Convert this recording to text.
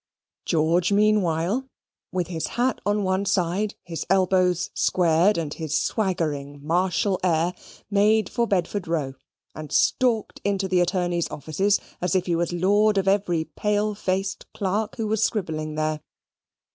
George meanwhile, with his hat on one side, his elbows squared, and his swaggering martial air, made for Bedford Row, and stalked into the attorney's offices as if he was lord of every pale faced clerk who was scribbling there.